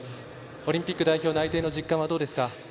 オリンピック代表内定の実感はいかがですか？